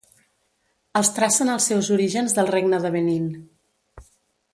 Els tracen els seus orígens del Regne de Benín.